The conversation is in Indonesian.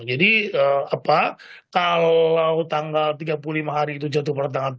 jadi kalau tanggal tiga puluh lima hari itu jatuh pada tanggal dua puluh maret